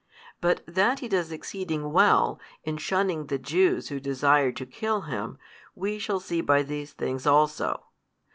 But that He does exceeding well in shunning the Jews who desire to kill Him, we shall see by these things also.